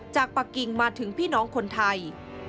ปะกิ่งมาถึงพี่น้องคนไทย